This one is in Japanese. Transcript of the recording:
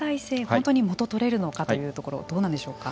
本当に元取れるのかというところどうなんでしょうか？